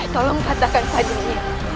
tolong patahkan padanya